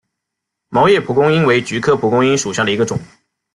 毛叶蒲公英为菊科蒲公英属下的一个种。